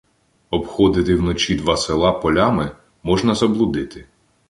Обходити вночі два села полями — можна заблудити.